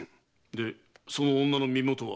でその女の身元は？